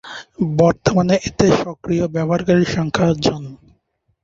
বর্তমানে এতে সক্রিয় ব্যবহারকারীর সংখ্যা জন।